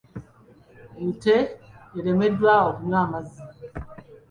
Ente eremereddwa okunywa amazzi.